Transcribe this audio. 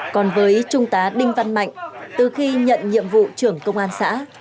còn với trung tá đinh văn mạnh từ khi nhận nhiệm vụ trưởng công an xã